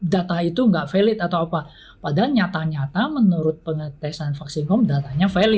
data itu nggak valid atau apa